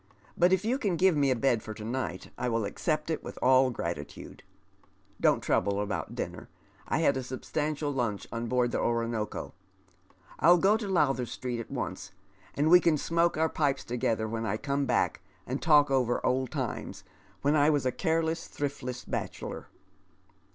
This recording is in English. But if you can give me n, bed for to night, I will accept it with all gi atitude. Don't trouble about dinner. I had a substantial lunch on board the Oronoko. I'll go to Lowther Street at once, and we can smoke our pipes together when I come back, and t<^lk over old times, v.uon I was a careless, tlii iftless bachelor.